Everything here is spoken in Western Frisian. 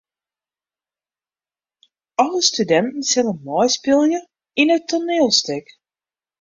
Alle studinten sille meispylje yn it toanielstik.